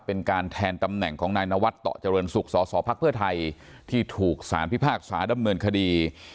เป็นการแทนตำแหน่งของนายนวัดต่อเจริญสุขสสพักเพื่อไทยที่ถูกสารพิพากษาดำเนินคดี